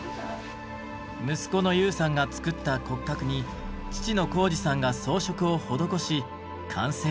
息子の悠さんが作った骨格に父の浩司さんが装飾を施し完成です。